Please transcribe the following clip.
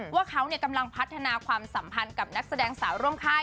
ว่าเขากำลังพัฒนาความสัมพันธ์กับนักแสดงสาวร่วมค่าย